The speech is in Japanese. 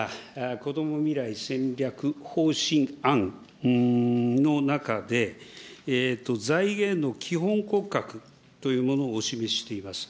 こども未来戦略方針案の中で、財源の基本骨格というものをお示ししています。